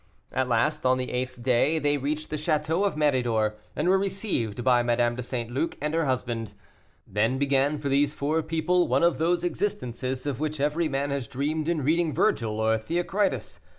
At last, on the eighth day, they reached the château of Méridor, and were received by Madame de St. Luc and her husband. Then began for these four people one of those existences of which every man has dreamed in reading Virgil or Theocritus.